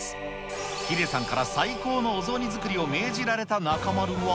ヒデさんから最高のお雑煮作りを命じられた中丸は。